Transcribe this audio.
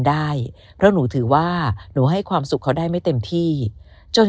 ได้เพราะหนูถือว่าหนูให้ความสุขเขาได้ไม่เต็มที่จน